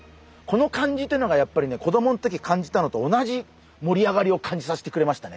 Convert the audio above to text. この感じっていうのがやっぱりね子供のときに感じたのと同じ盛り上がりを感じさせてくれましたね。